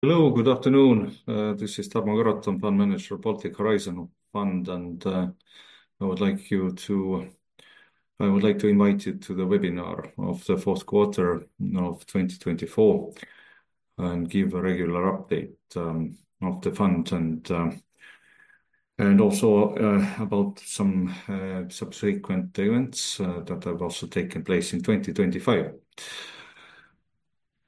Hello, good afternoon. This is Tarmo Karotam, Fund Manager of Baltic Horizon Fund, and I would like to invite you to the webinar of the fourth quarter of 2024 and give a regular update of the fund and also about some subsequent events that have also taken place in 2025.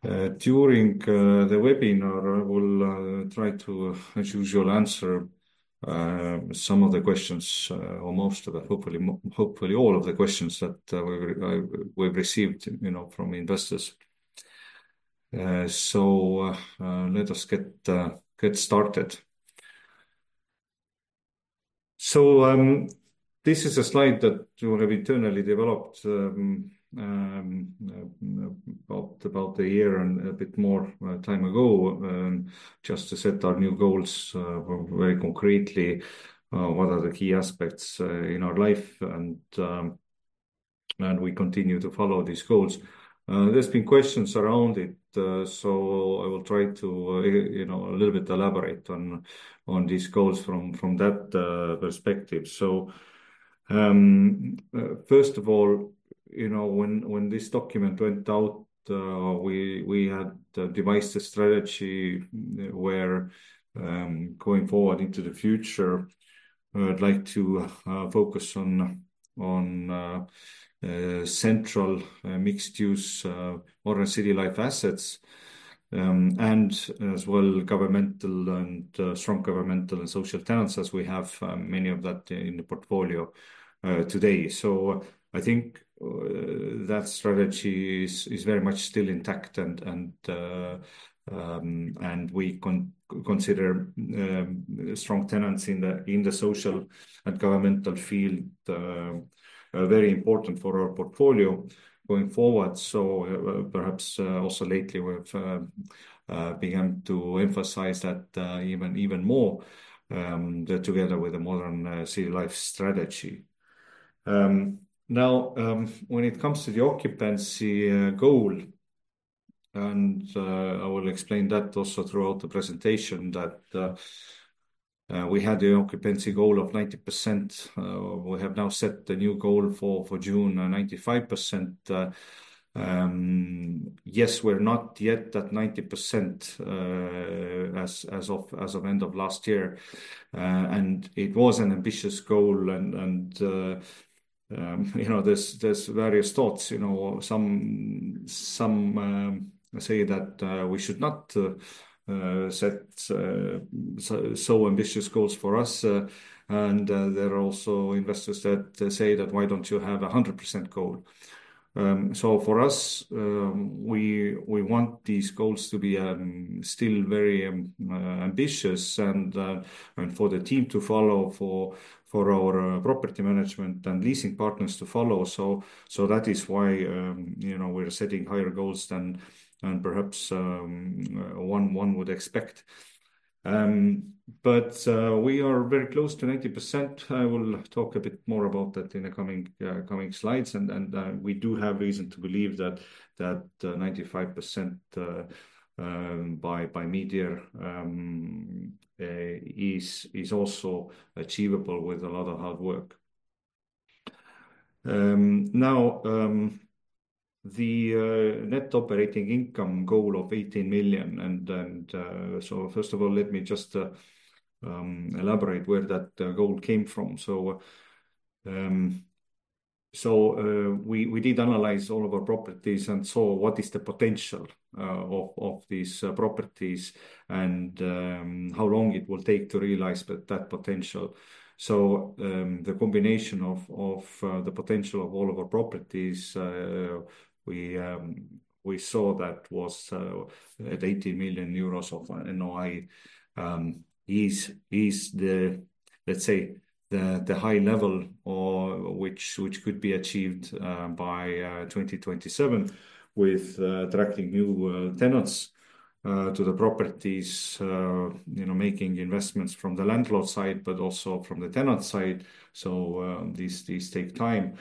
During the webinar, I will try to, as usual, answer some of the questions or hopefully all of the questions that we've received from investors. Let us get started. This is a slide that we have internally developed about a year and a bit more time ago, just to set our new goals very concretely. What are the key aspects in our life, and we continue to follow these goals. There's been questions around it, so I will try to a little bit elaborate on these goals from that perspective. First of all, when this document went out, we had devised a strategy where, going forward into the future, I'd like to focus on central mixed-use modern city life assets, and as well strong governmental and social tenants as we have many of that in the portfolio today. I think that strategy is very much still intact and we consider strong tenants in the social and governmental field very important for our portfolio going forward. Perhaps also lately we've begun to emphasize that even more together with the modern city life strategy. When it comes to the occupancy goal, and I will explain that also throughout the presentation, that we had the occupancy goal of 90%. We have now set the new goal for June, 95%. Yes, we're not yet at 90% as of end of last year. It was an ambitious goal, and there's various thoughts. Some say that we should not set so ambitious goals for us, and there are also investors that say that why don't you have 100% goal? For us, we want these goals to be still very ambitious and for the team to follow, for our property management and leasing partners to follow. That is why we're setting higher goals than perhaps one would expect. We are very close to 90%. I will talk a bit more about that in the coming slides. We do have reason to believe that 95% by midyear is also achievable with a lot of hard work. The net operating income goal of 18 million, first of all, let me just elaborate where that goal came from. We did analyze all of our properties and saw what is the potential of these properties and how long it will take to realize that potential. The combination of the potential of all of our properties, we saw that was at 18 million euros of NOI is the, let's say, the high level, or which could be achieved by 2027 with attracting new tenants to the properties, making investments from the landlord side, but also from the tenant side. These take time.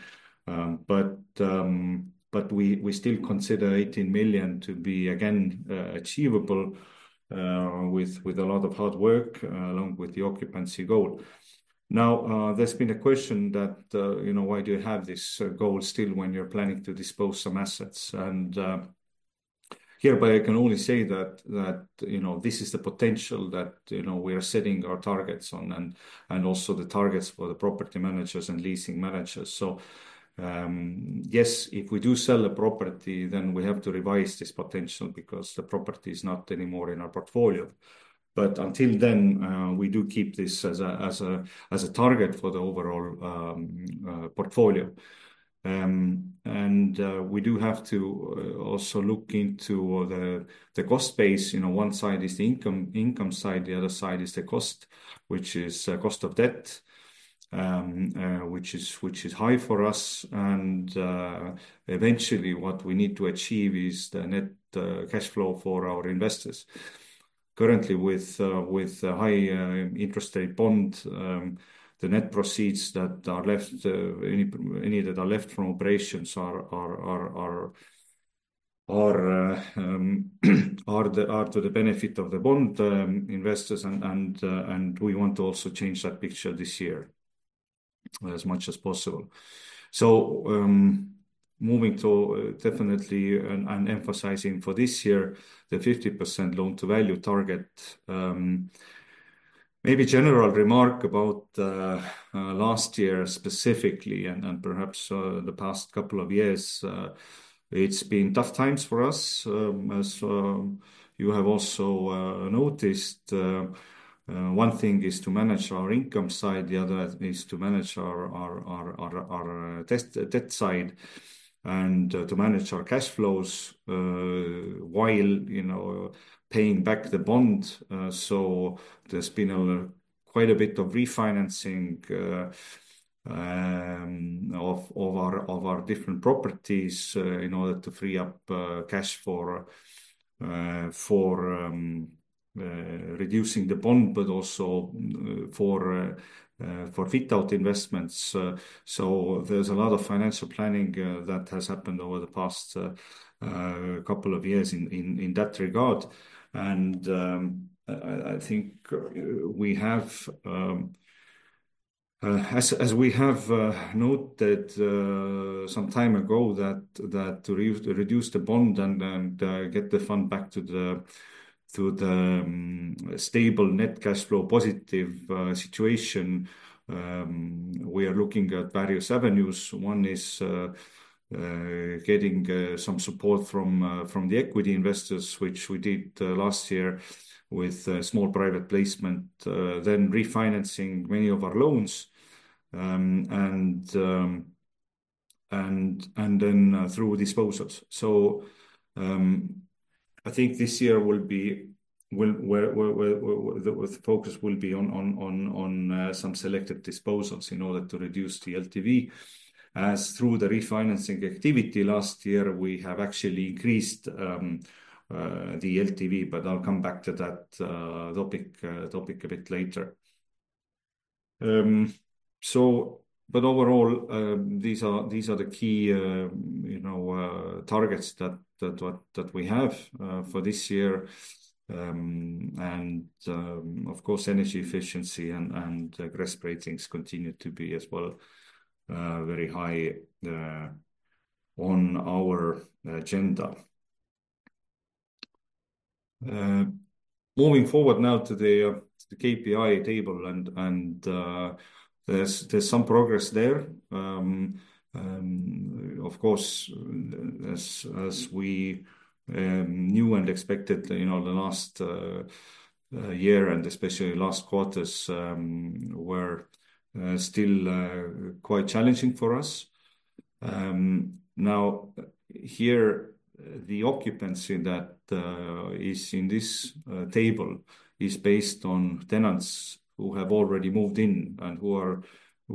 We still consider 18 million to be, again, achievable with a lot of hard work along with the occupancy goal. Now, there's been a question that why do you have this goal still when you're planning to dispose some assets? Hereby I can only say that this is the potential that we are setting our targets on and also the targets for the property managers and leasing managers. Yes, if we do sell a property, then we have to revise this potential because the property is not anymore in our portfolio. Until then, we do keep this as a target for the overall portfolio. We do have to also look into the cost base. One side is the income side, the other side is the cost, which is cost of debt which is high for us. Eventually what we need to achieve is the net cash flow for our investors. Currently with high interest rate bond, the net proceeds that are left, any that are left from operations are to the benefit of the bond investors. We want to also change that picture this year as much as possible. Moving to definitely and emphasizing for this year the 50% loan-to-value target. Maybe general remark about last year specifically and perhaps the past couple of years, it's been tough times for us. As you have also noticed, one thing is to manage our income side, the other is to manage our debt side and to manage our cash flows while paying back the bond. There's been quite a bit of refinancing of our different properties in order to free up cash for reducing the bond, but also for fit-out investments. There's a lot of financial planning that has happened over the past couple of years in that regard. I think as we have noted some time ago, that to reduce the bond and get the Fund back through the stable net cash flow positive situation, we are looking at various avenues. One is getting some support from the equity investors, which we did last year with a small private placement, then refinancing many of our loans, and then through disposals. I think this year the focus will be on some selected disposals in order to reduce the LTV, as through the refinancing activity last year, we have actually increased the LTV, but I'll come back to that topic a bit later. Overall, these are the key targets that we have for this year. Of course, energy efficiency and GRESB ratings continue to be as well very high on our agenda. Moving forward now to the KPI table, there's some progress there. Of course, as we knew and expected, the last year and especially last quarters were still quite challenging for us. Now, here, the occupancy that is in this table is based on tenants who have already moved in and who are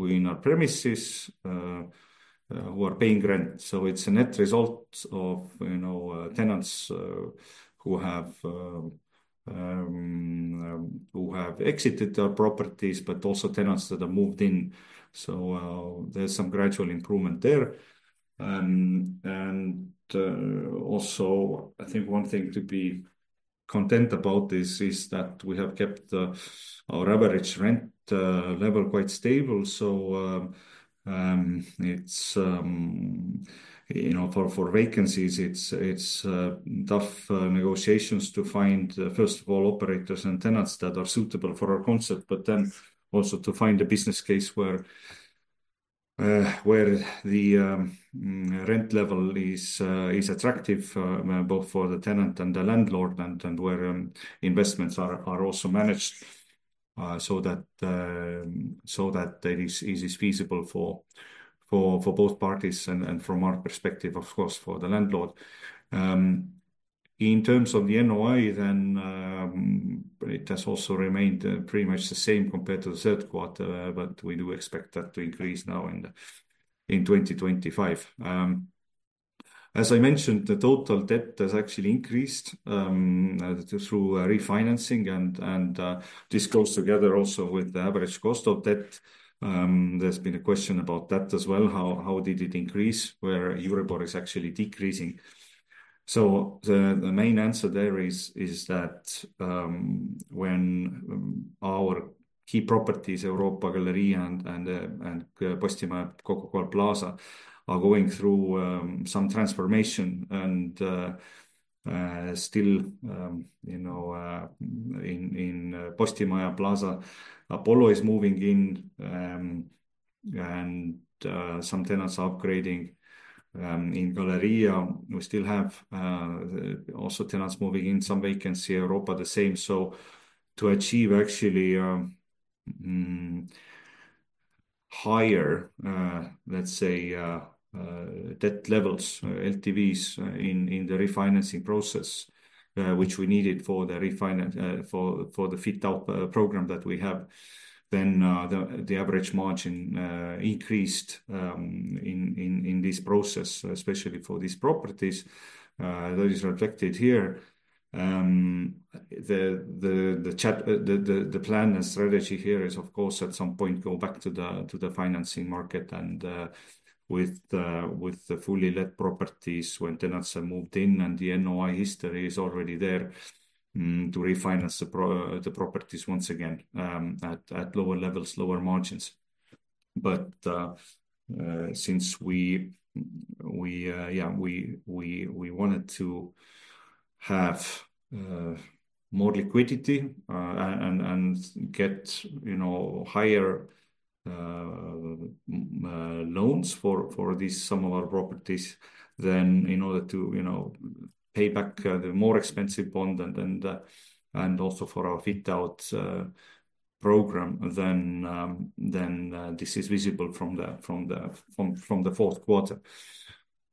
in our premises, who are paying rent. It's a net result of tenants who have exited our properties, but also tenants that have moved in. There's some gradual improvement there. Also, I think one thing to be content about this is that we have kept our average rent level quite stable. For vacancies, it's tough negotiations to find, first of all, operators and tenants that are suitable for our concept, but then also to find a business case where the rent level is attractive both for the tenant and the landlord, and where investments are also managed so that it is feasible for both parties and from our perspective, of course, for the landlord. In terms of the NOI then, it has also remained pretty much the same compared to the third quarter, but we do expect that to increase now in 2025. As I mentioned, the total debt has actually increased through refinancing, and this goes together also with the average cost of debt. There's been a question about that as well, how did it increase where Euribor is actually decreasing. The main answer there is that when our key properties, Europa, Galerija, and Postimaja, Coca-Cola Plaza, are going through some transformation and still in Postimaja Plaza, Apollo is moving in, and some tenants are upgrading. In Galerija, we still have also tenants moving in, some vacancy. Europa, the same. To achieve actually higher, let's say, debt levels, LTVs in the refinancing process, which we needed for the fit-out program that we have, then the average margin increased in this process, especially for these properties that is reflected here. The plan and strategy here is, of course, at some point, go back to the financing market and with the fully let properties when tenants have moved in and the NOI history is already there to refinance the properties once again at lower levels, lower margins. Since we wanted to have more liquidity and get higher loans for some of our properties, then in order to pay back the more expensive bond and also for our fit-out program, then this is visible from the fourth quarter.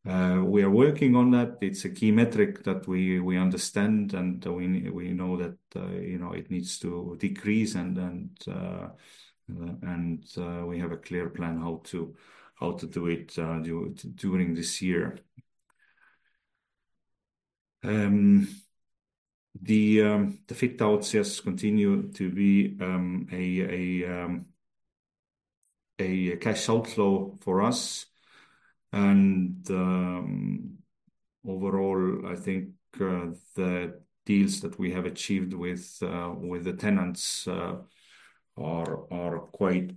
We are working on that. It's a key metric that we understand, and we know that it needs to decrease and we have a clear plan how to do it during this year. The fit-outs just continue to be a cash outflow for us and, overall, I think the deals that we have achieved with the tenants are overall quite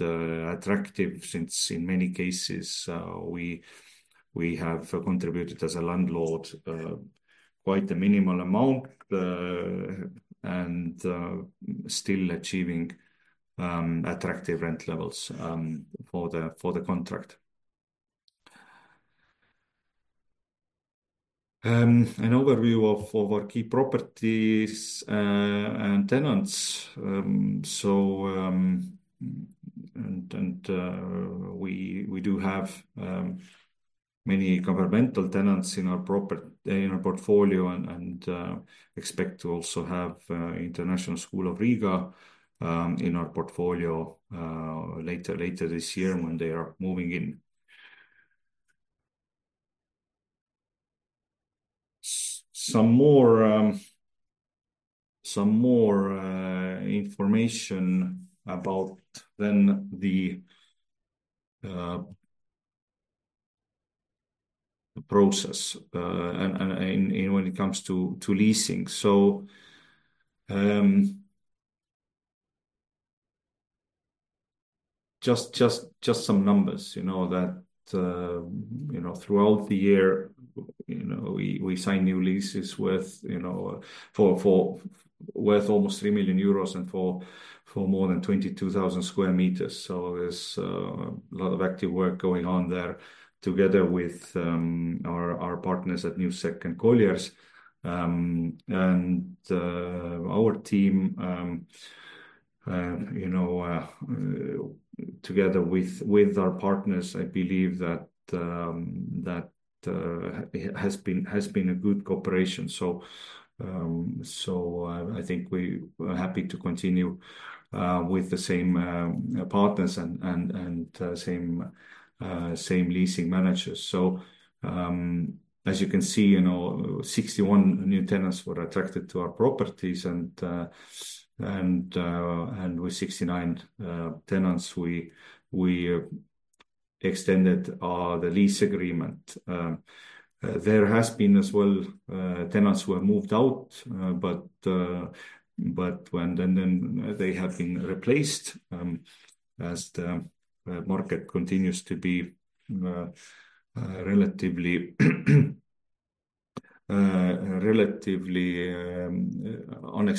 attractive since, in many cases, we have contributed as a landlord quite a minimal amount and still achieving attractive rent levels for the contract. An overview of our key properties and tenants. We do have many governmental tenants in our portfolio and expect to also have International School of Riga in our portfolio later this year when they are moving in. Some more information about then the process and when it comes to leasing. Just some numbers, that throughout the year we signed new leases worth almost 3 million euros and for more than 22,000 sq m. There's a lot of active work going on there together with our partners at Newsec and Colliers. Our team together with our partners, I believe that has been a good cooperation. I think we are happy to continue with the same partners and same leasing managers. As you can see, 61 new tenants were attracted to our properties and with 69 tenants, we extended the lease agreement. There has been as well, tenants who have moved out, but they have been replaced as the market continues to be relatively, let's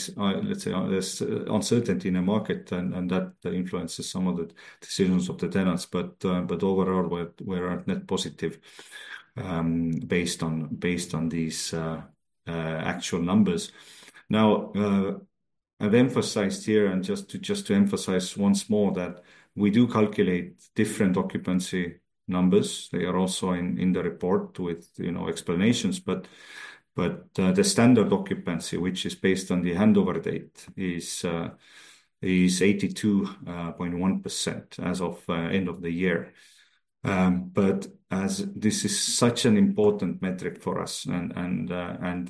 say, there's uncertainty in the market, and that influences some of the decisions of the tenants. Overall, we are net positive based on these actual numbers. I've emphasized here and just to emphasize once more that we do calculate different occupancy numbers. They are also in the report with explanations. The standard occupancy, which is based on the handover date, is 82.1% as of end of the year. As this is such an important metric for us and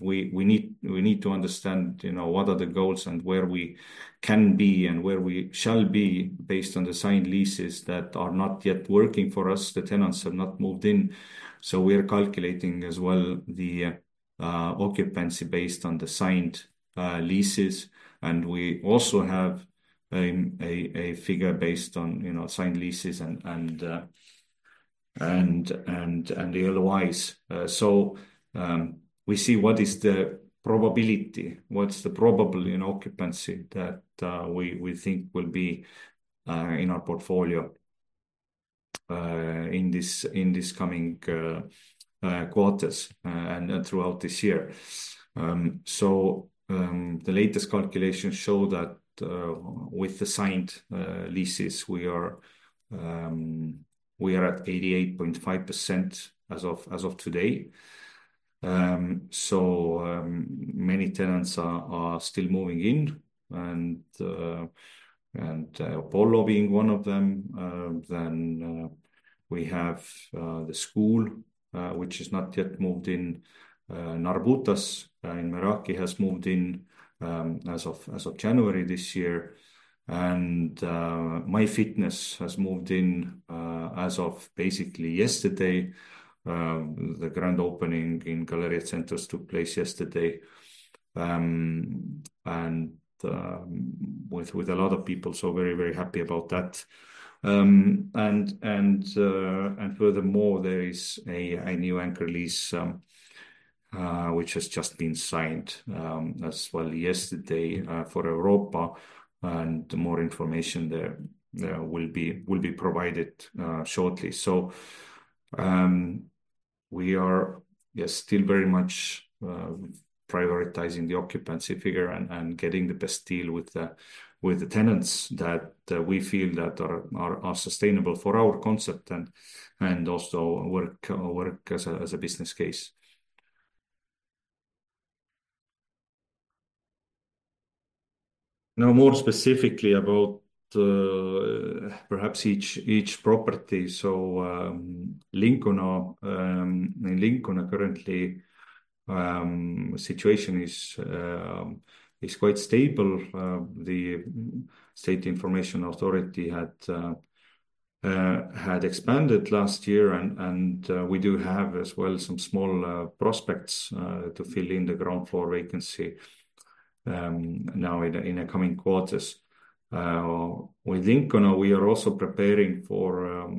we need to understand what are the goals and where we can be and where we shall be based on the signed leases that are not yet working for us, the tenants have not moved in. We are calculating as well the occupancy based on the signed leases. We also have a figure based on signed leases and the otherwise. We see what is the probability, what's the probable occupancy that we think will be in our portfolio in this coming quarters and throughout this year. The latest calculations show that with the signed leases, we are at 88.5% as of today. Many tenants are still moving in, and Apollo being one of them. We have the school, which has not yet moved in. Narbutas in Meraki has moved in as of January this year, and MyFitness has moved in as of basically yesterday. The grand opening in Galerija Centrs took place yesterday, and with a lot of people, so very happy about that. Furthermore, there is a new anchor lease, which has just been signed as well yesterday for Europa, and more information there will be provided shortly. We are, yes, still very much prioritizing the occupancy figure and getting the best deal with the tenants that we feel that are sustainable for our concept and also work as a business case. More specifically about perhaps each property. Lincona, currently, situation is quite stable. The Information System Authority had expanded last year, and we do have as well some small prospects to fill in the ground floor vacancy now in the coming quarters. With Lincona, we are also preparing for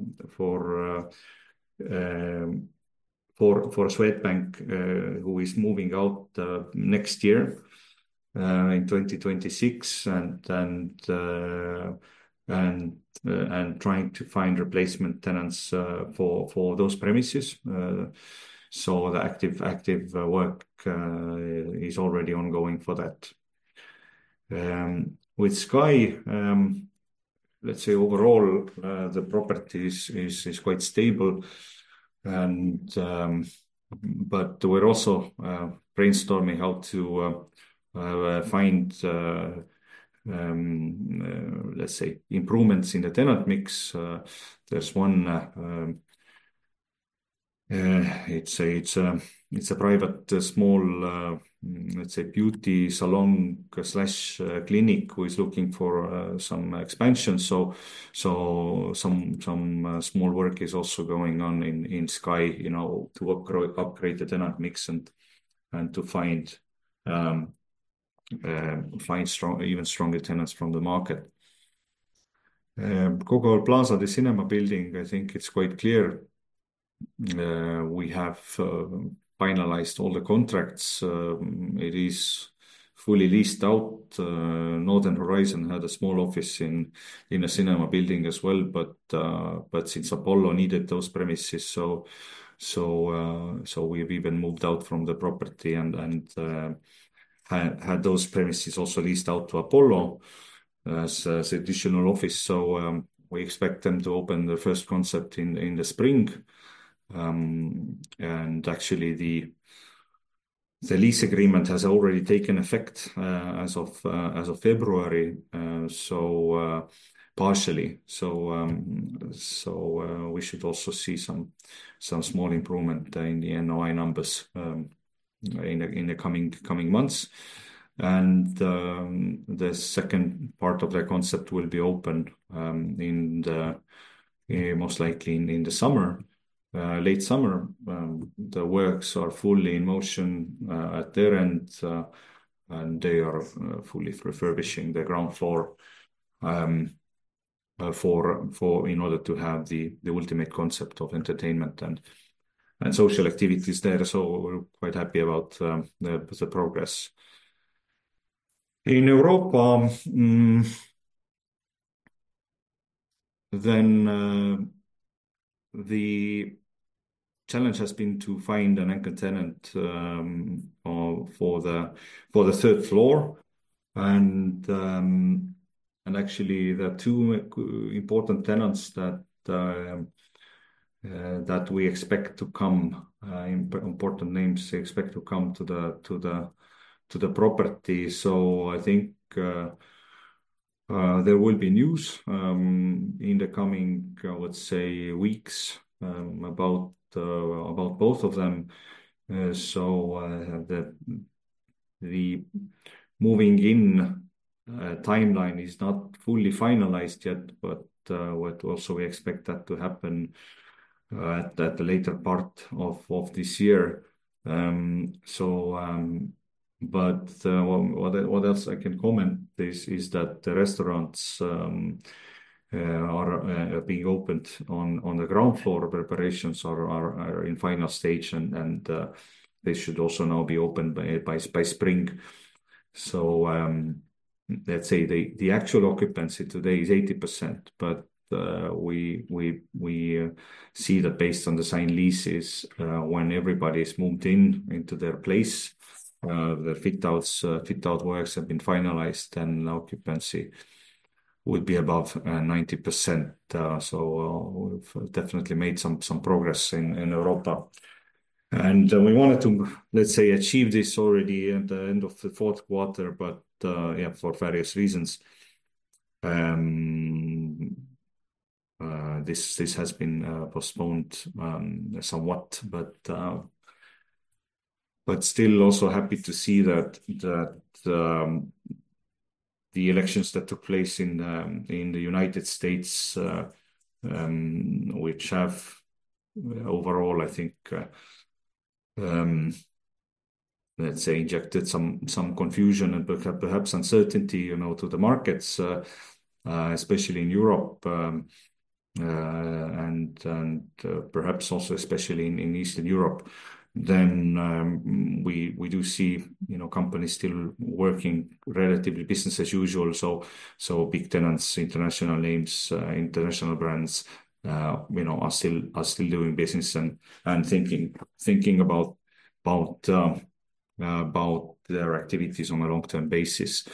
Swedbank, who is moving out next year in 2026, and trying to find replacement tenants for those premises. The active work is already ongoing for that. With Sky, let's say overall, the property is quite stable, but we're also brainstorming how to find, let's say, improvements in the tenant mix. There's one, it's a private small, let's say beauty salon/clinic who is looking for some expansion. Some small work is also going on in Sky to upgrade the tenant mix and to find even stronger tenants from the market. Coca-Cola Plaza, the cinema building, I think it's quite clear. We have finalized all the contracts. It is fully leased out. Northern Horizon had a small office in the cinema building as well, but since Apollo needed those premises, we've even moved out from the property and had those premises also leased out to Apollo as additional office. We expect them to open the first concept in the spring. Actually, the lease agreement has already taken effect as of February, partially. We should also see some small improvement in the NOI numbers in the coming months. The second part of the concept will be opened most likely in the summer, late summer. The works are fully in motion at their end, and they are fully refurbishing the ground floor in order to have the ultimate concept of entertainment and social activities there. We're quite happy about the progress. In Europa, the challenge has been to find an anchor tenant for the third floor. Actually, there are two important tenants that we expect to come, important names expect to come to the property. I think there will be news in the coming, let's say, weeks, about both of them. The moving in timeline is not fully finalized yet, but what also we expect that to happen at a later part of this year. What else I can comment is that the restaurants are being opened on the ground floor. Preparations are in final stage, and they should also now be opened by spring. Let's say, the actual occupancy today is 80%, but we see that based on the signed leases, when everybody's moved in into their place, the fit-out works have been finalized, then occupancy would be above 90%. We've definitely made some progress in Europa. We wanted to, let's say, achieve this already at the end of the fourth quarter, but yeah, for various reasons, this has been postponed somewhat. Still also happy to see that the elections that took place in the United States, which have overall, I think, let's say, injected some confusion and perhaps uncertainty to the markets, especially in Europe, and perhaps also especially in Eastern Europe, we do see companies still working relatively business as usual. Big tenants, international names, international brands are still doing business and thinking about their activities on a long-term basis.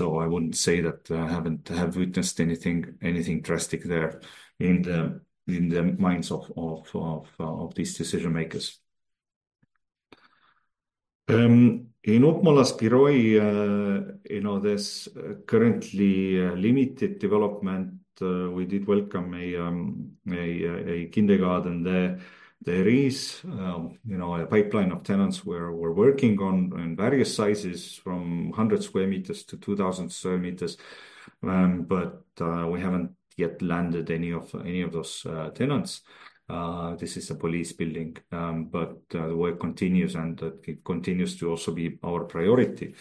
I wouldn't say that I have witnessed anything drastic there in the minds of these decision-makers. In Ülemiste, you know there's currently limited development. We did welcome a kindergarten there. There is a pipeline of tenants where we're working on various sizes from 100 sq m to 2,000 sq m. We haven't yet landed any of those tenants. This is a police building, but the work continues, and it continues to also be our priority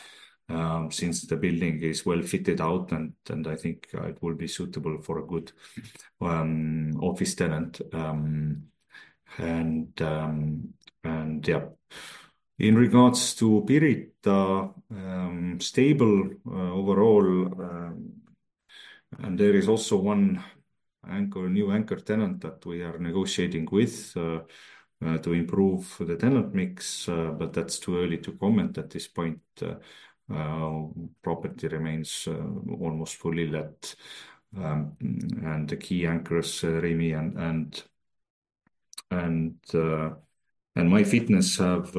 since the building is well fitted out, and I think it will be suitable for a good office tenant. Yeah. In regards to Pirita, stable overall, and there is also one new anchor tenant that we are negotiating with to improve the tenant mix. That's too early to comment at this point. Property remains almost fully let, and the key anchors, Rimi and MyFitness have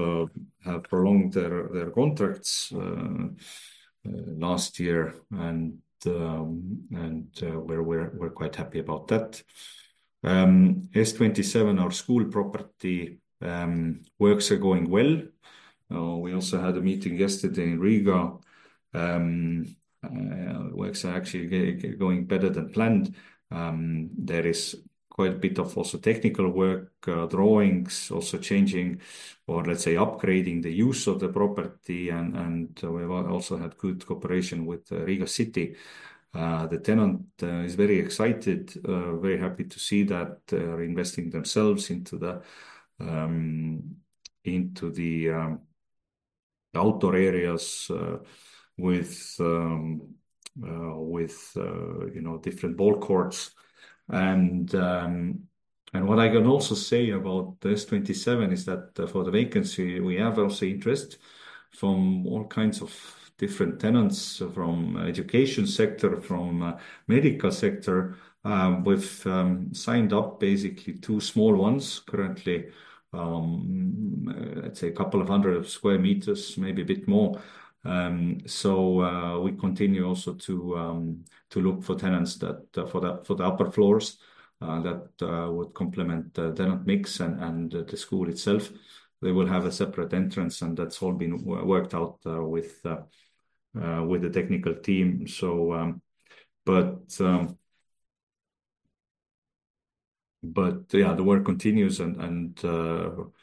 prolonged their contracts last year and we're quite happy about that. S-27, our school property, works are going well. We also had a meeting yesterday in Riga. Works are actually going better than planned. There is quite a bit of also technical work, drawings, also changing or let's say, upgrading the use of the property and we've also had good cooperation with Riga City. The tenant is very excited, very happy to see that they're investing themselves into the outdoor areas with different ball courts. What I can also say about S-27 is that for the vacancy, we have also interest from all kinds of different tenants from education sector, from medical sector. We've signed up basically two small ones currently, let's say a couple of 100 sq m, maybe a bit more. We continue also to look for tenants for the upper floors that would complement the tenant mix and the school itself. They will have a separate entrance, that's all been worked out with the technical team. The work continues and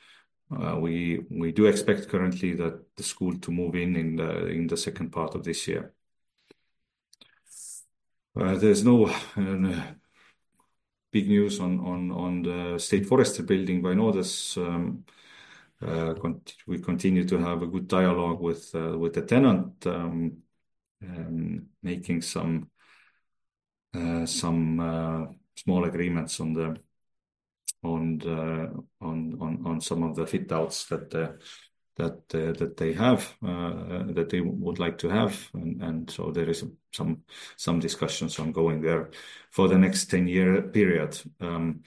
we do expect currently the school to move in in the second part of this year. There's no big news on the State Forest building. I know we continue to have a good dialogue with the tenant, making some small agreements on some of the fit outs that they would like to have. There is some discussions ongoing there for the next 10-year period. In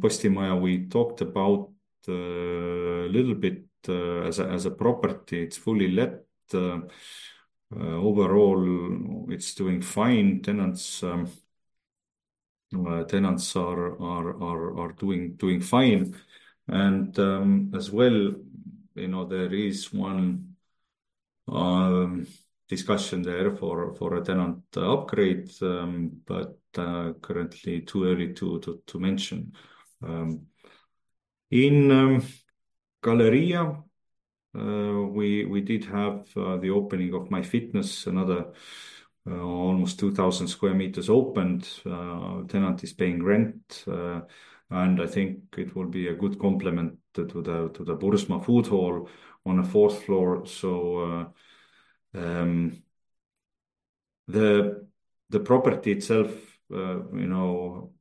Postimaja, we talked about a little bit as a property. It's fully let. Overall, it's doing fine. Tenants are doing fine. As well, there is one discussion there for a tenant upgrade, currently too early to mention. In Galerija, we did have the opening of MyFitness, another almost 2,000 sq m opened. Tenant is paying rent. I think it will be a good complement to the Burzma food hall on the fourth floor. The property itself, you know.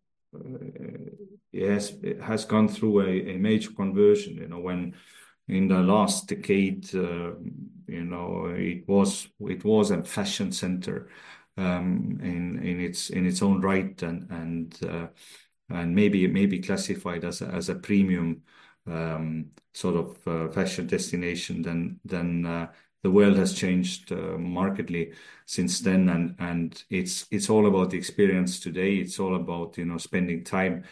It has gone through a major conversion. In the last decade, it was a fashion center in its own right and maybe classified as a premium sort of fashion destination, then the world has changed markedly since then, and it's all about the experience today. It's all about spending time.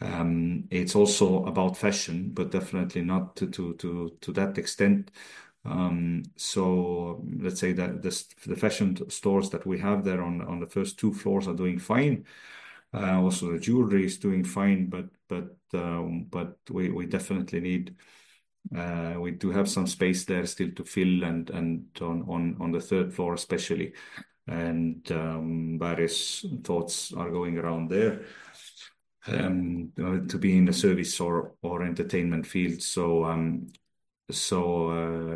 It's also about fashion, but definitely not to that extent. Let's say that the fashion stores that we have there on the first two floors are doing fine. Also, the jewelry is doing fine, but we definitely do have some space there still to fill and on the third floor especially. Various thoughts are going around there to be in the service or entertainment field.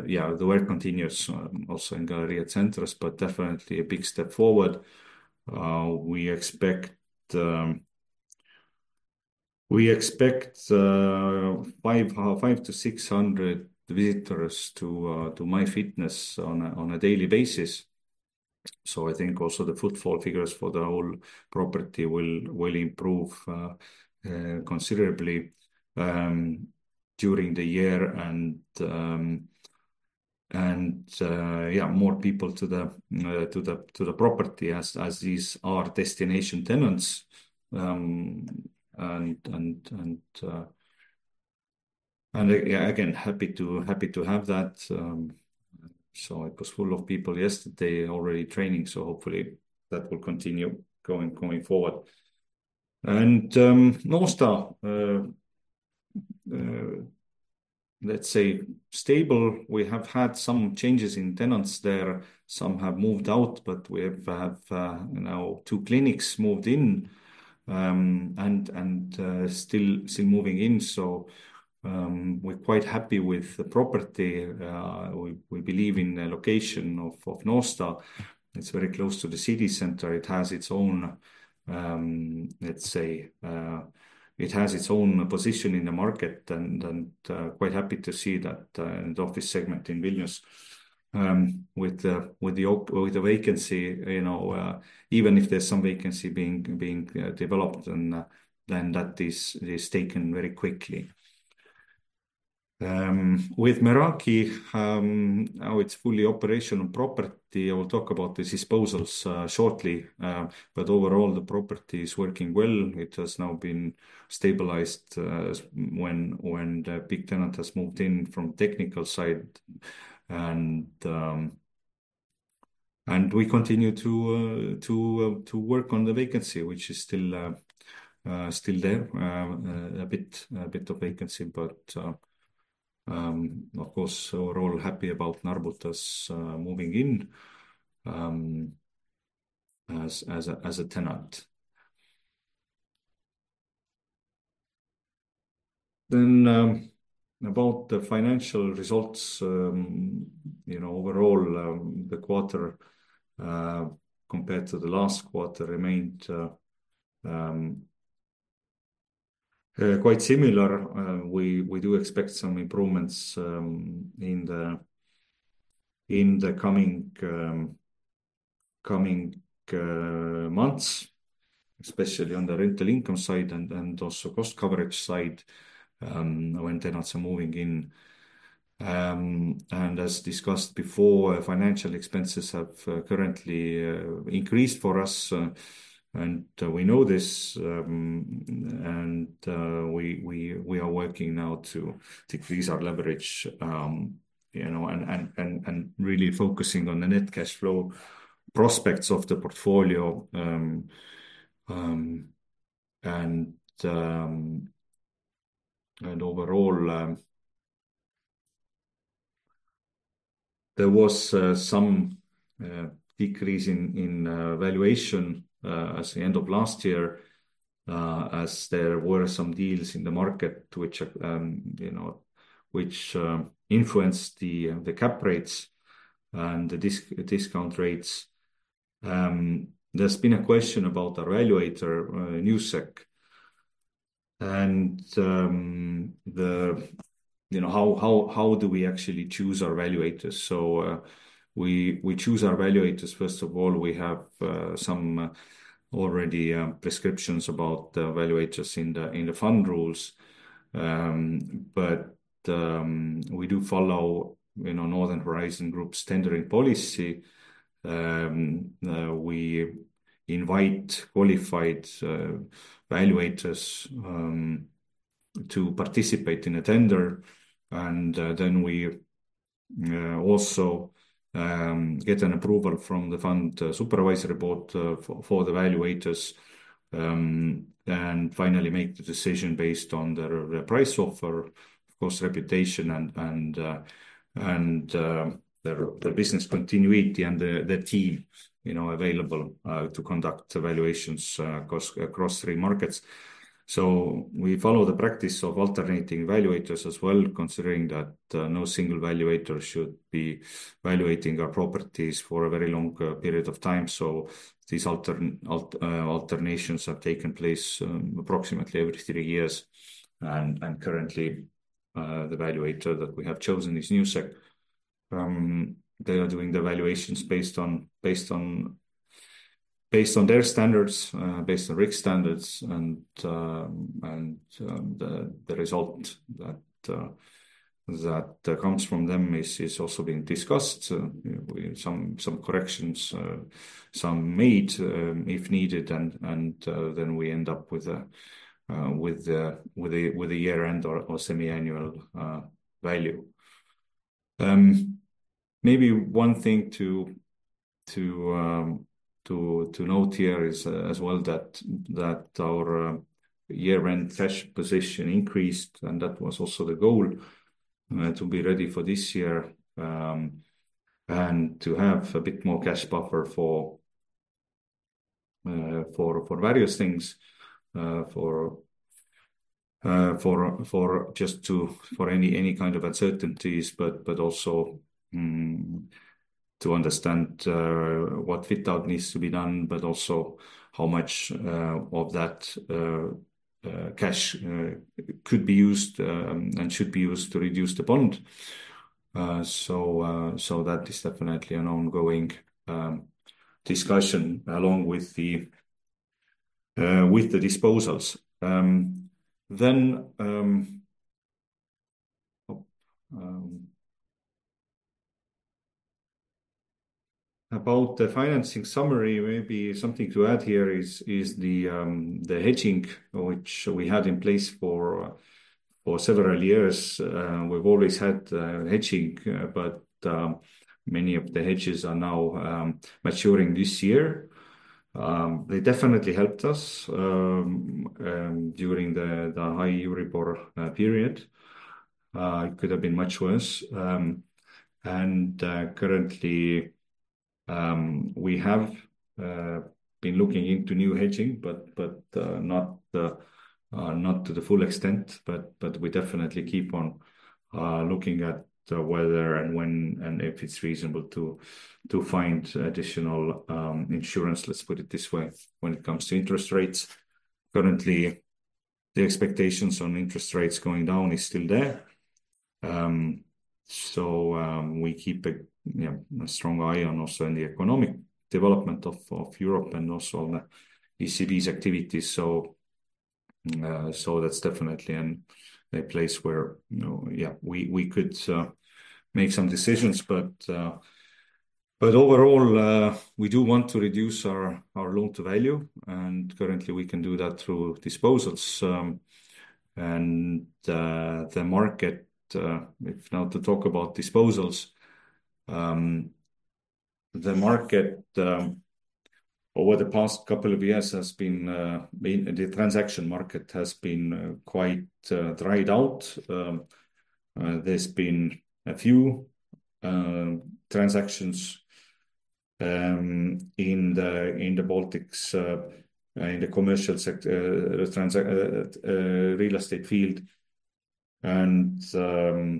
Yeah, the work continues also in Galerija Centrs, but definitely a big step forward. We expect five to 600 visitors to MyFitness on a daily basis. I think also the footfall figures for the whole property will improve considerably during the year and, yeah, more people to the property as these are destination tenants. Again, happy to have that. It was full of people yesterday already training, so hopefully that will continue going forward. North Star, let's say stable. We have had some changes in tenants there. Some have moved out, but we have now two clinics moved in, and still moving in, so we're quite happy with the property. We believe in the location of North Star. It's very close to the city center. It has its own, let's say, position in the market and quite happy to see that office segment in business with a vacancy, even if there's some vacancy being developed and then that is taken very quickly. With Meraki, now it's fully operational property. I will talk about the disposals shortly. Overall, the property is working well, which has now been stabilized when big tenant has moved in from technical side and we continue to work on the vacancy, which is still there, a bit of vacancy, but of course, we're all happy about Narbutas moving in as a tenant. About the financial results, overall, the quarter compared to the last quarter remained quite similar. We do expect some improvements in the coming months, especially on the rental income side and also cost coverage side, when tenants are moving in. As discussed before, financial expenses have currently increased for us, and we know this, and we are working now to decrease our leverage, and really focusing on the net cash flow prospects of the portfolio. Overall, there was some decrease in valuation as the end of last year, as there were some deals in the market which influenced the cap rates and the discount rates. There's been a question about our valuator, Newsec, and how do we actually choose our valuators? We choose our valuators, first of all, we have some already prescriptions about the valuators in the fund rules. We do follow Northern Horizon Group's tendering policy. We invite qualified valuators to participate in a tender, and then we also get an approval from the fund supervisor board for the valuators, and finally make the decision based on their price offer, of course, reputation and their business continuity and their team available to conduct valuations across three markets. We follow the practice of alternating valuators as well, considering that no single valuator should be valuating our properties for a very long period of time, so these alternations have taken place approximately every three years, and currently, the valuator that we have chosen is Newsec. They are doing the valuations based on their standards, based on RICS standards, and the result that comes from them is also being discussed. Some corrections are made if needed, then we end up with a year-end or semi-annual value. Maybe one thing to note here as well is that our year-end cash position increased, and that was also the goal, to be ready for this year, and to have a bit more cash buffer for various things, for any kind of uncertainties, but also to understand what fit-out needs to be done, but also how much of that cash could be used, and should be used to reduce the bond. That is definitely an ongoing discussion along with the disposals. About the financing summary, maybe something to add here is the hedging which we had in place for several years. We've always had hedging, but many of the hedges are now maturing this year. They definitely helped us during the high Euribor period. It could have been much worse. Currently, we have been looking into new hedging, but not to the full extent, but we definitely keep on looking at whether and when, and if it is reasonable to find additional insurance, let's put it this way, when it comes to interest rates. Currently, the expectations on interest rates going down is still there. We keep a strong eye on also the economic development of Europe and also on the ECB's activities. That's definitely a place where we could make some decisions. Overall, we do want to reduce our loan-to-value, and currently we can do that through disposals. The market, if now to talk about disposals, the market over the past couple of years, the transaction market has been quite dried out. There's been a few transactions in the Baltics, in the commercial sector real estate field. There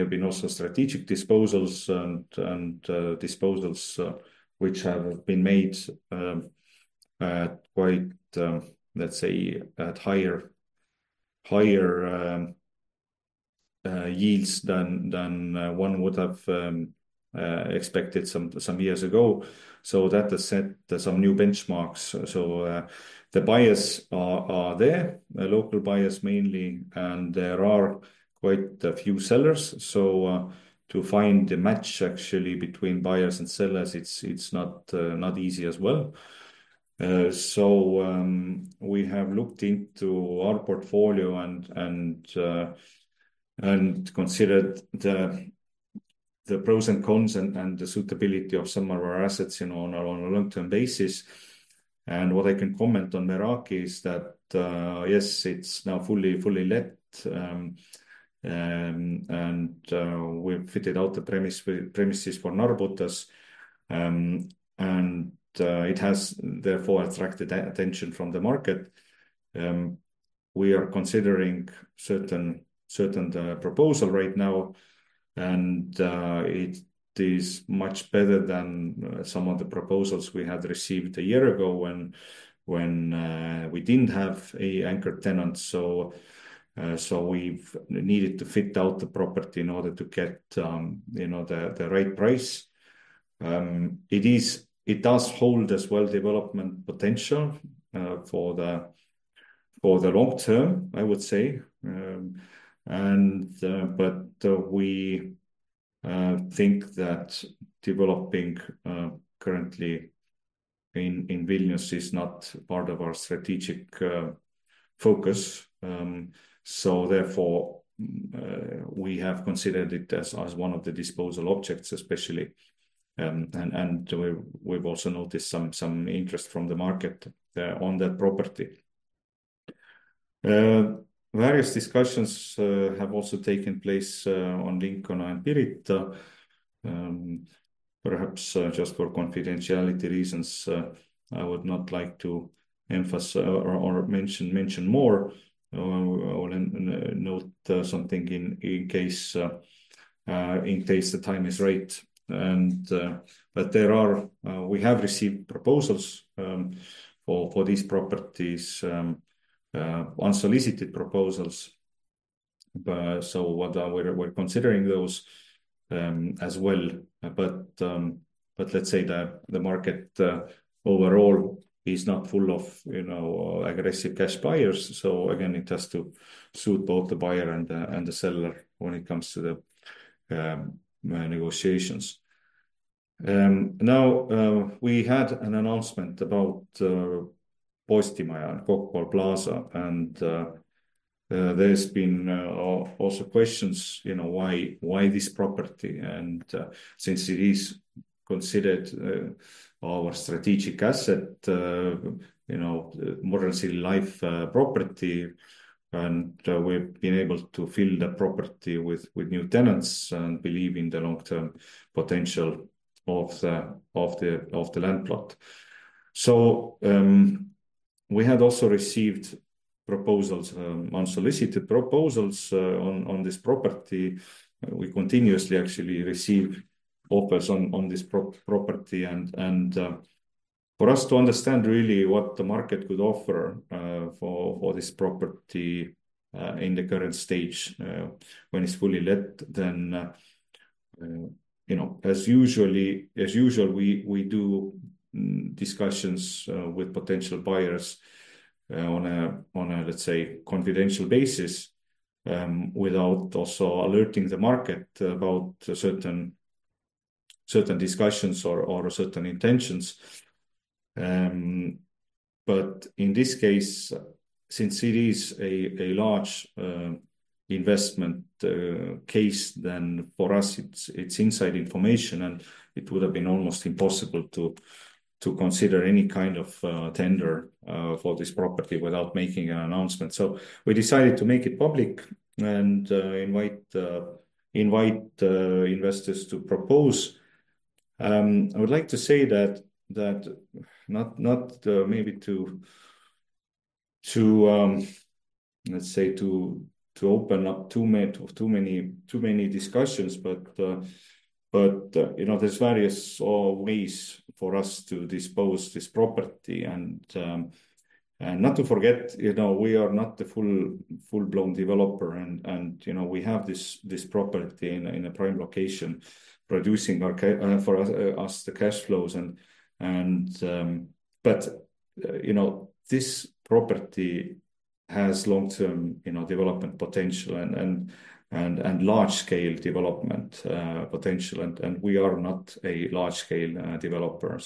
have been also strategic disposals and disposals which have been made at, let's say, at higher yields than one would have expected some years ago. That has set some new benchmarks. The buyers are there, local buyers mainly, and there are quite a few sellers. To find the match, actually, between buyers and sellers, it's not easy as well. We have looked into our portfolio and considered the pros and cons and the suitability of some of our assets on a long-term basis. What I can comment on Meraki is that, yes, it's now fully let, and we've fitted out the premises for Narbutas. It has, therefore, attracted attention from the market. We are considering a certain proposal right now, and it is much better than some of the proposals we had received one year ago when we didn't have an anchor tenant. We've needed to fit out the property in order to get the right price. It does hold as well development potential for the long term, I would say. We think that developing currently in Vilnius is not part of our strategic focus. Therefore, we have considered it as one of the disposal objects, especially, and we've also noticed some interest from the market on that property. Various discussions have also taken place on Lincona and Pirita Shopping Center. Perhaps just for confidentiality reasons, I would not like to emphasize or mention more or note something in case the time is right. We have received proposals for these properties, unsolicited proposals, so we're considering those as well. Let's say the market overall is not full of aggressive cash buyers. Again, it has to suit both the buyer and the seller when it comes to the negotiations. Now, we had an announcement about Postimaja, Kopli Plaza. There's been also questions, why this property? Since it is considered our strategic asset, Modern City Life property, and we've been able to fill the property with new tenants and believe in the long-term potential of the land plot. We had also received proposals, unsolicited proposals, on this property. We continuously actually receive offers on this property, and for us to understand really what the market would offer for this property in the current stage when it's fully let, then as usual, we do discussions with potential buyers on a, let's say, confidential basis, without also alerting the market about certain discussions or certain intentions. In this case, since it is a large investment case, then for us, it's inside information, and it would have been almost impossible to consider any kind of tender for this property without making an announcement. We decided to make it public and invite investors to propose. I would like to say that not maybe to, let's say, to open up too many discussions, but there's various ways for us to dispose this property and not to forget we are not the full-blown developer and we have this property in a prime location producing for us the cash flows. This property has long-term development potential and large-scale development potential, and we are not a large-scale developer.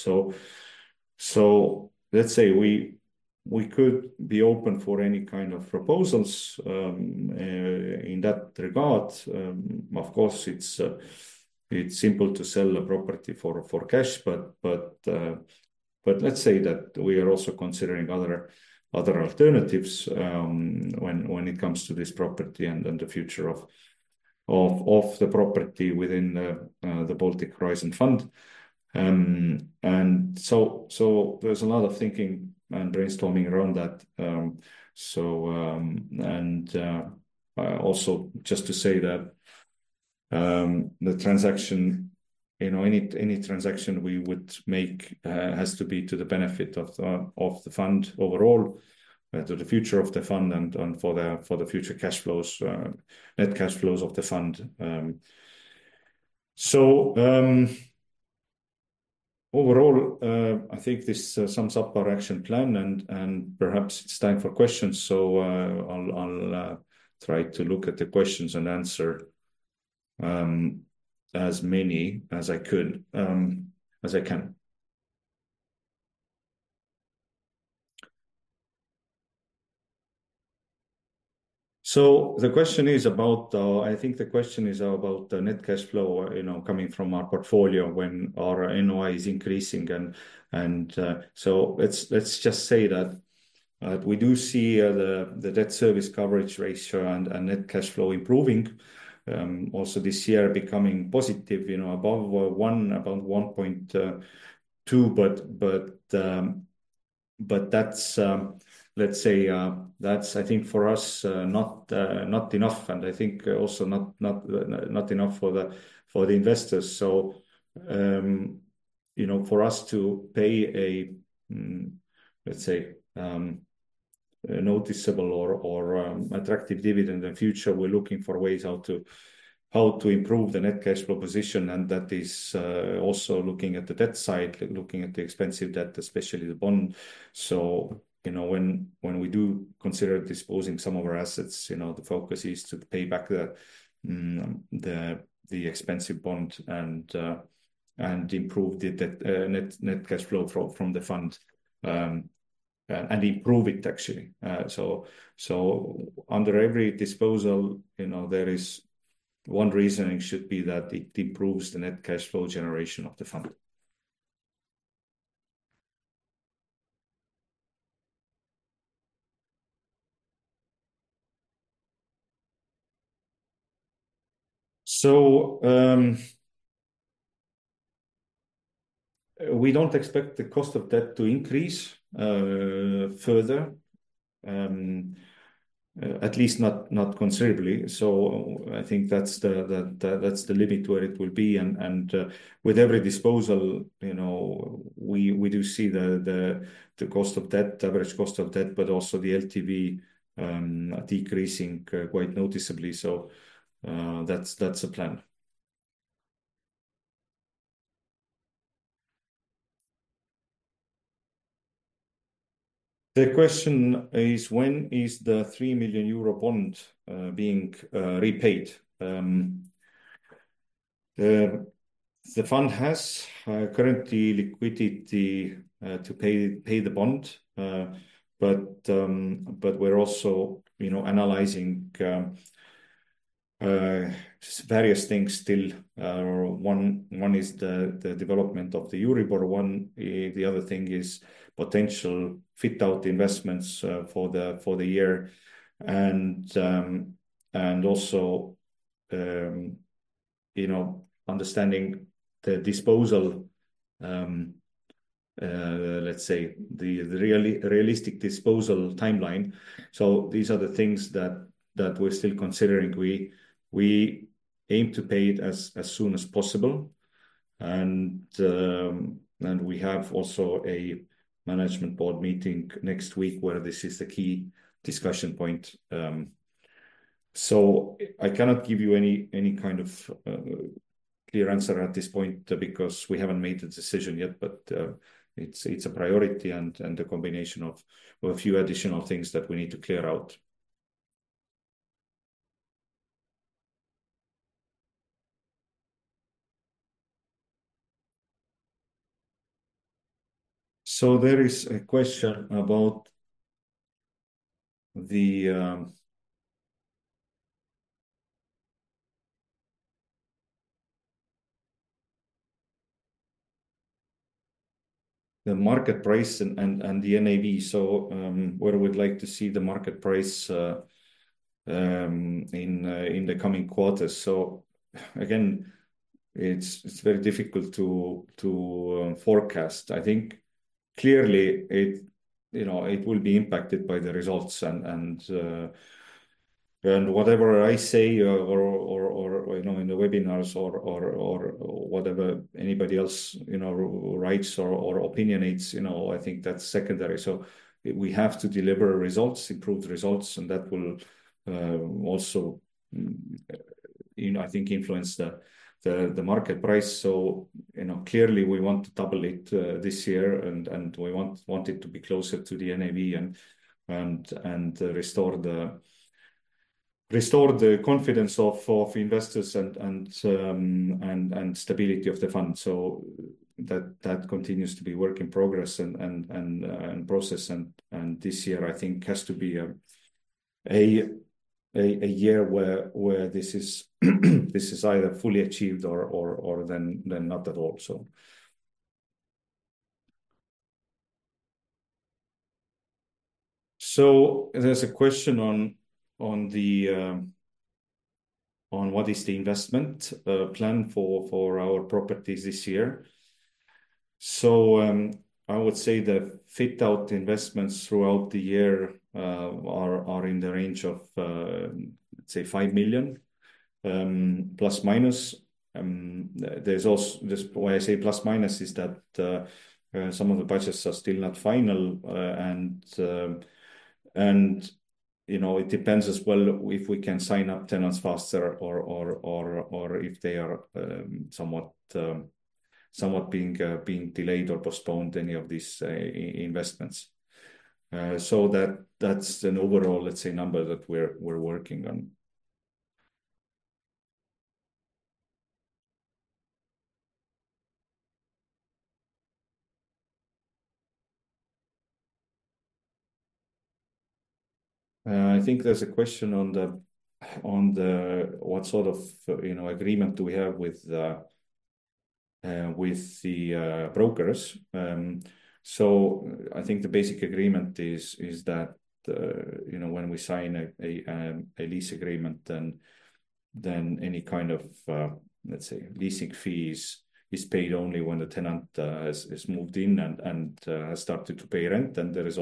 Let's say we could be open for any kind of proposals in that regard. Of course, it's simple to sell a property for cash, but let's say that we are also considering other alternatives when it comes to this property and the future of the property within the Baltic Horizon Fund. There's a lot of thinking and brainstorming around that. Just to say that any transaction we would make has to be to the benefit of the fund overall, to the future of the fund and for the future net cash flows of the fund. Overall, I think this sums up our action plan, and perhaps it's time for questions. I'll try to look at the questions and answer as many as I can. I think the question is about the net cash flow coming from our portfolio when our NOI is increasing, let's just say that we do see the debt service coverage ratio and net cash flow improving. This year becoming positive, above one point two. Let's say, that's I think for us not enough and I think also not enough for the investors. For us to pay a, let's say, noticeable or attractive dividend in the future, we're looking for ways how to improve the net cash flow position, and that is also looking at the debt side, looking at the expensive debt, especially the bond. When we do consider disposing some of our assets, the focus is to pay back the expensive bond and improve the net cash flow from the fund, and improve it, actually. Under every disposal, one reasoning should be that it improves the net cash flow generation of the fund. We don't expect the cost of debt to increase further, at least not considerably. I think that's the limit where it will be, and with every disposal, we do see the average cost of debt, but also the LTV decreasing quite noticeably. That's the plan. The question is, when is the 3 million euro bond being repaid? The fund has currently liquidity to pay the bond, we're also analyzing various things still. One is the development of the Euribor. The other thing is potential fit-out investments for the year and also understanding the disposal, let's say, the realistic disposal timeline. These are the things that we're still considering. We aim to pay it as soon as possible. We have also a management board meeting next week where this is the key discussion point. I cannot give you any kind of clear answer at this point because we haven't made the decision yet, but it's a priority and a combination of a few additional things that we need to clear out. There is a question about the market price and the NAV. Where we'd like to see the market price in the coming quarters. Again, it's very difficult to forecast. I think clearly it will be impacted by the results and whatever I say in the webinars or whatever anybody else writes or opinionates, I think that's secondary. We have to deliver results, improved results, and that will also, I think, influence the market price. Clearly we want to double it this year, and we want it to be closer to the NAV and restore the confidence of investors and stability of the fund. That continues to be work in progress and process. This year, I think, has to be a year where this is either fully achieved or then not at all. There's a question on what is the investment plan for our properties this year. I would say the fit-out investments throughout the year are in the range of, let's say, 5 million plus minus. Why I say plus minus is that some of the budgets are still not final, and it depends as well if we can sign up tenants faster or if they are somewhat being delayed or postponed, any of these investments. That's an overall, let's say, number that we're working on. I think there's a question on what sort of agreement do we have with the brokers. I think the basic agreement is that when we sign a lease agreement, then any kind of leasing fees is paid only when the tenant has moved in and has started to pay rent. There's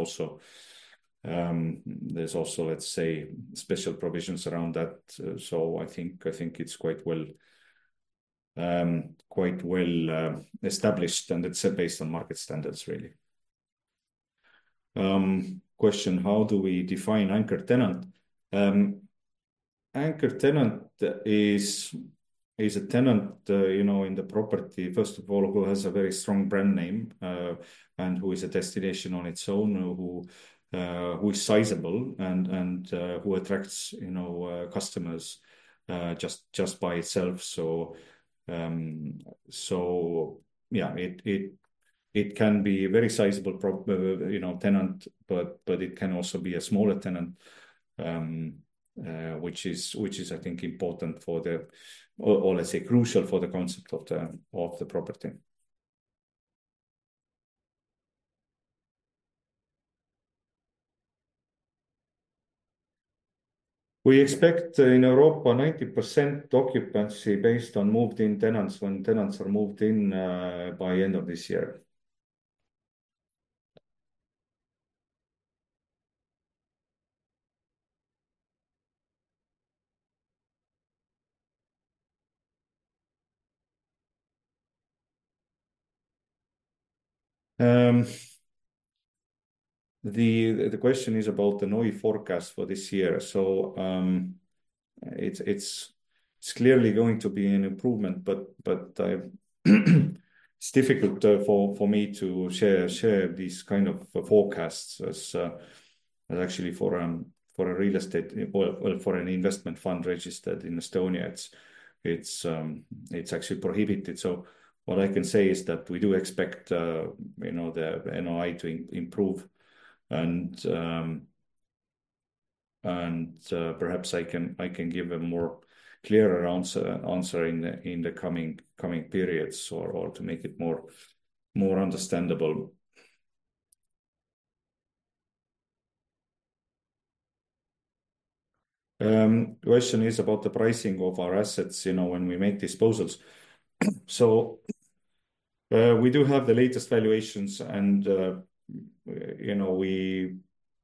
also, let's say, special provisions around that. I think it's quite well established, and it's based on market standards, really. Question, how do we define anchor tenant? Anchor tenant is a tenant in the property, first of all, who has a very strong brand name and who is a destination on its own, who is sizable and who attracts customers just by itself. Yeah, it can be a very sizable tenant, but it can also be a smaller tenant, which is I think important or let's say crucial for the concept of the property. We expect in Europa 90% occupancy based on moved-in tenants when tenants are moved in by end of this year. The question is about the NOI forecast for this year. It's clearly going to be an improvement, but it's difficult for me to share these kind of forecasts as actually for a real estate or for an investment fund registered in Estonia, it's actually prohibited. What I can say is that we do expect the NOI to improve, and perhaps I can give a more clearer answer in the coming periods or to make it more understandable. Question is about the pricing of our assets when we make disposals. We do have the latest valuations and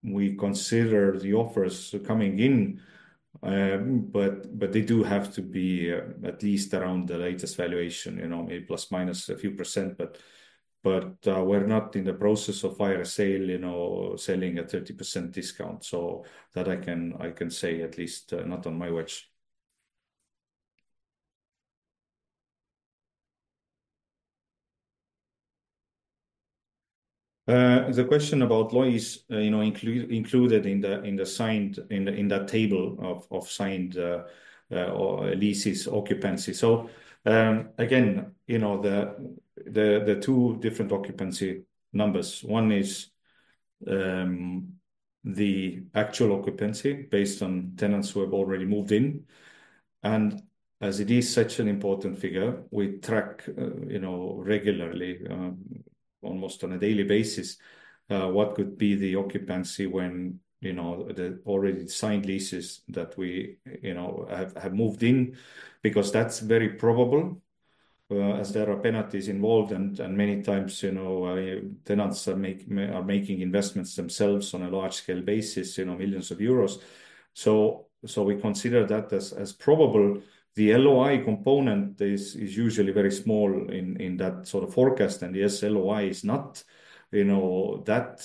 we consider the offers coming in, but they do have to be at least around the latest valuation, maybe plus, minus a few percent, but we're not in the process of fire sale, selling a 30% discount. That I can say at least not on my watch. The question about LOI is included in that table of signed or leases occupancy. Again, the two different occupancy numbers. One is the actual occupancy based on tenants who have already moved in, and as it is such an important figure, we track regularly, almost on a daily basis, what could be the occupancy when the already signed leases that we have moved in, because that's very probable, as there are penalties involved and many times, tenants are making investments themselves on a large scale basis, millions of euros. We consider that as probable. The LOI component is usually very small in that sort of forecast. Yes, LOI is not that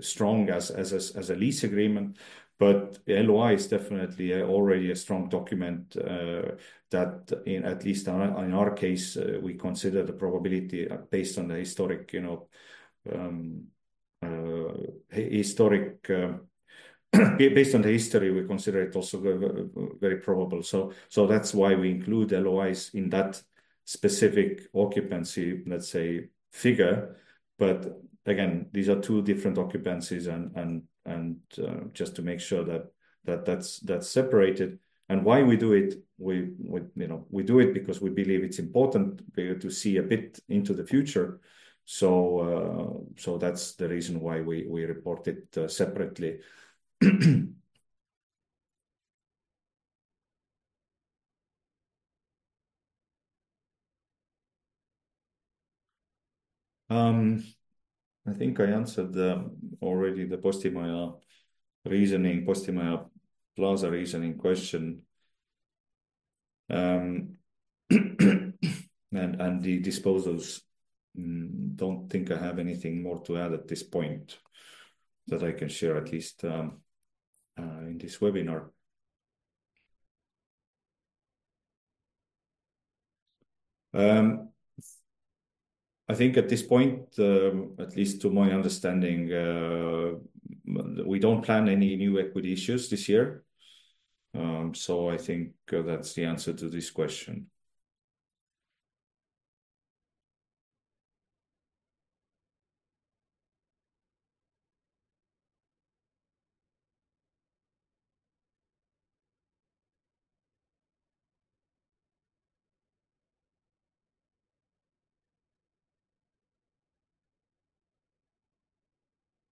strong as a lease agreement, but LOI is definitely already a strong document, that at least in our case, we consider the probability based on the history, we consider it also very probable. That's why we include LOIs in that specific occupancy, let's say figure. Again, these are two different occupancies and just to make sure that that's separated and why we do it, we do it because we believe it's important to see a bit into the future. That's the reason why we report it separately. I think I answered already the Postimaja reasoning, Postimaja Plaza reasoning question. The disposals, don't think I have anything more to add at this point that I can share, at least in this webinar. I think at this point, at least to my understanding, we don't plan any new equity issues this year. I think that's the answer to this question.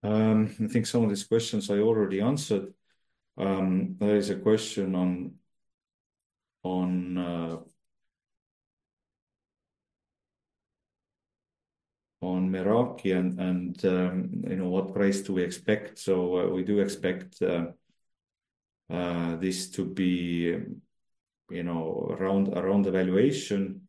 I think some of these questions I already answered. There is a question on Meraki and what price do we expect. We do expect this to be around the valuation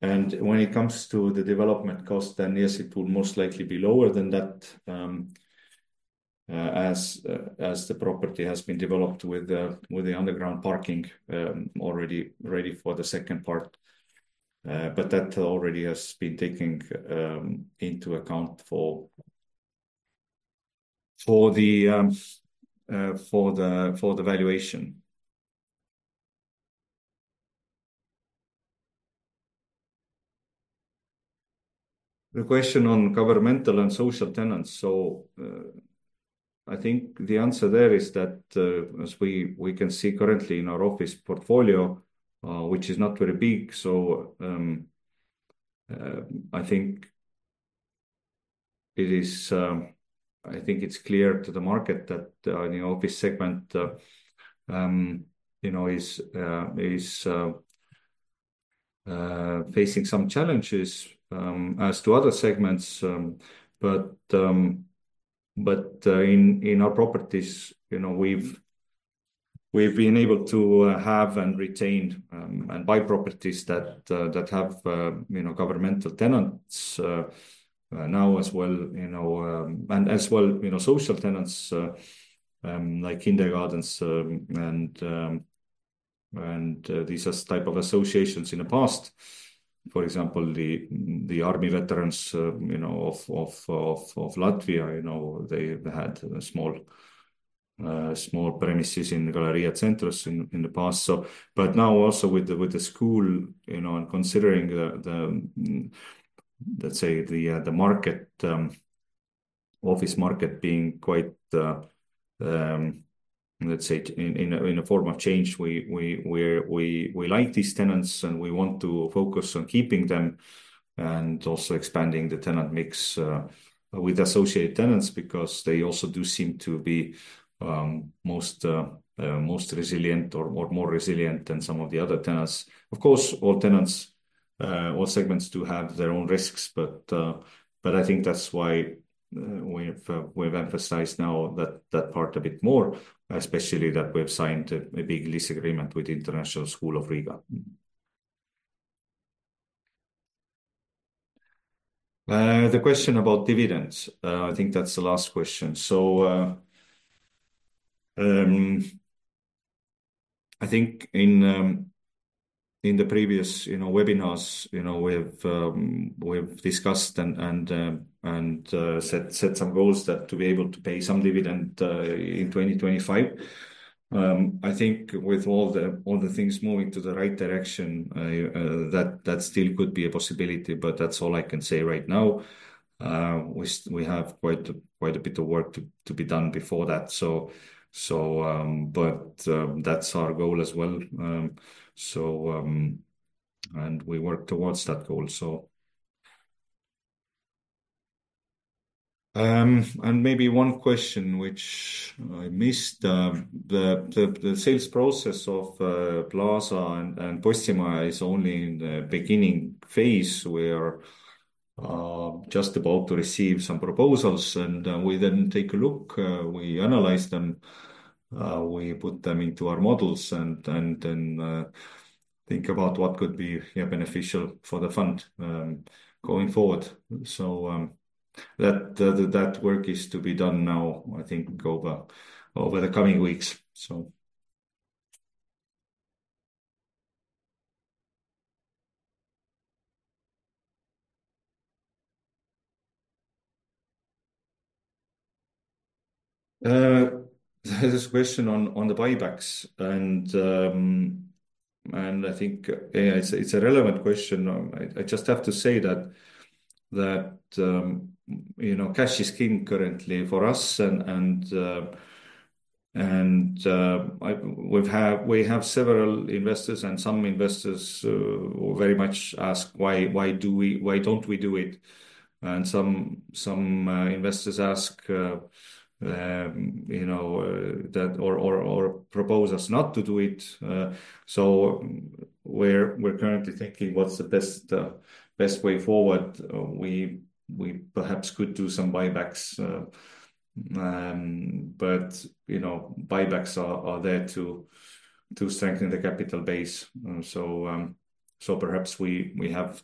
and when it comes to the development cost, then yes, it will most likely be lower than that, as the property has been developed with the underground parking already ready for the second part. That already has been taken into account for the valuation. The question on governmental and social tenants. I think the answer there is that as we can see currently in our office portfolio, which is not very big, so I think it's clear to the market that the office segment is facing some challenges as to other segments. In our properties, we've been able to have and retain and buy properties that have governmental tenants now as well, and as well social tenants, like kindergartens, and these type of associations in the past. For example, the army veterans of Latvia, they had small premises in Galerija Centrs in the past. Now also with the school, and considering, let's say, the office market being quite, let's say, in a form of change, we like these tenants, and we want to focus on keeping them and also expanding the tenant mix with associate tenants because they also do seem to be most resilient or more resilient than some of the other tenants. Of course, all tenants, all segments do have their own risks, but I think that's why we've emphasized now that part a bit more, especially that we've signed a big lease agreement with International School of Riga. The question about dividends. I think that's the last question. I think in the previous webinars, we've discussed and set some goals to be able to pay some dividend in 2025. I think with all the things moving to the right direction, that still could be a possibility, but that's all I can say right now. We have quite a bit of work to be done before that, but that's our goal as well, and we work towards that goal, so. Maybe one question which I missed, the sales process of Apollo Plaza and Postimaja is only in the beginning phase. We are just about to receive some proposals, and we then take a look, we analyze them, we put them into our models, and then think about what could be beneficial for the fund going forward. That work is to be done now, I think, over the coming weeks. There's this question on the buybacks, and I think it's a relevant question. I just have to say that cash is king currently for us. We have several investors, and some investors very much ask, "Why don't we do it?" Some investors ask or propose us not to do it. We're currently thinking what's the best way forward. We perhaps could do some buybacks. Buybacks are there to strengthen the capital base. Perhaps we have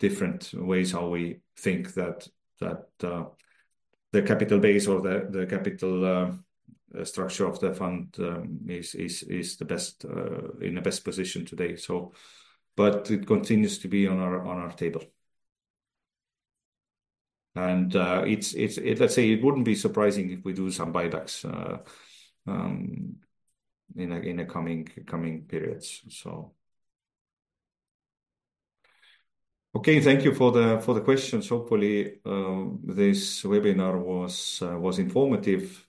different ways how we think that the capital base or the capital structure of the fund is in the best position today. It continues to be on our table. Let's say it wouldn't be surprising if we do some buybacks in the coming periods. Okay, thank you for the questions. Hopefully, this webinar was informative.